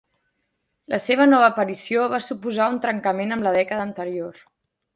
La seva nova aparició va suposar un trencament amb la dècada anterior.